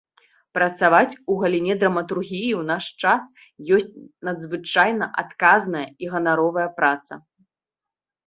Працаваць у галіне драматургіі ў наш час ёсць надзвычайна адказная і ганаровая праца.